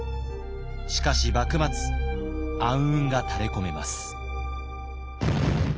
しかし幕末暗雲が垂れこめます。